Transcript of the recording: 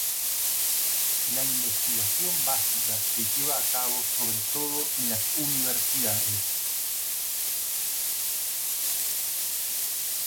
La investigación básica se lleva a cabo sobre todo en las universidades.